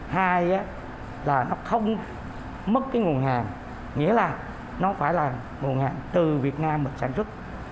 hai là nó không mất cái nguồn hàng nghĩa là nó phải là nguồn hàng từ việt nam mình sản xuất